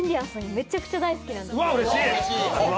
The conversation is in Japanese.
めっちゃくちゃ大好きなんです。